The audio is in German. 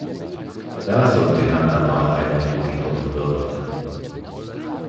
Da sollte Hanna mal einen Blick drauf werfen.